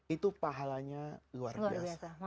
itu pahalanya luar biasa